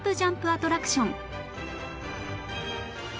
アトラクション